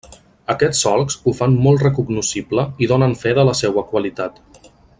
Aquests solcs ho fan molt recognoscible i donen fe de la seua qualitat.